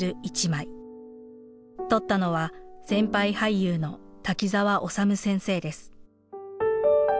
撮ったのは先輩俳優の滝沢修先生です。